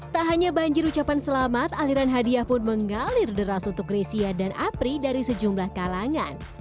tak hanya banjir ucapan selamat aliran hadiah pun mengalir deras untuk grecia dan apri dari sejumlah kalangan